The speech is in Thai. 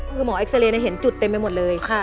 คือหมอเอ็กซาเรย์เห็นจุดเต็มไปหมดเลย